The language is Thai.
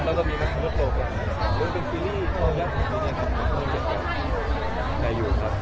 ต้องเจ็บใหญ่อยู่ต้องเจ็บใหญ่อยู่ต้องเจ็บใหญ่อยู่ต้องเจ็บใหญ่อยู่ครับ